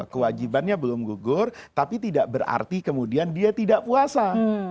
kewajibannya belum gugur tapi tidak berarti kemudian dia tidak puasa